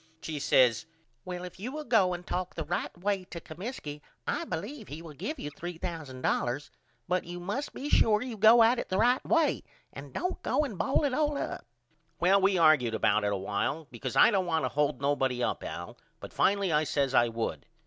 She says Well if you will go and talk the right way to Comiskey I believe he will give you $3000 but you must be sure you go at it the right way and don't go and ball it all up. Well we argude about it a while because I don't want to hold nobody up Al but finally I says I would.